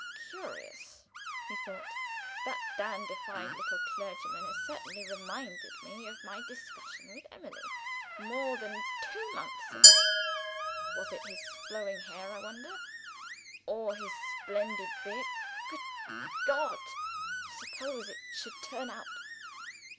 "Curious," he thought. "That dandified little clergyman has certainly reminded me of my discussion with Emily, more than two months since. Was it his flowing hair, I wonder? or his splendid beard? Good God! suppose it should turn out